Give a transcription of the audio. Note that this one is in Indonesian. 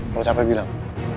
kalau capek bilang